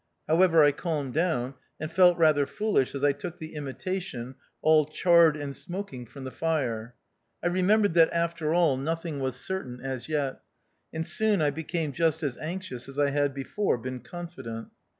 However, I calmed down, and felt rather foolish as I took the ' Imitation,' all charred and smoking, from the fire. I remembered that, after all, nothing was certain as yet ; and soon I became just as anxious as I had before been confident.